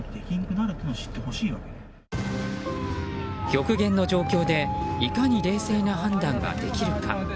極限の状況でいかに冷静な判断ができるか。